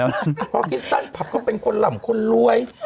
เพราะคริสต์ฟัคเขาเป็นคนหล่ำคนรวย